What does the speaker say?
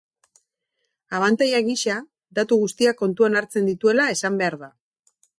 Abantaila gisa, datu guztiak kontuan hartzen dituela esan behar da.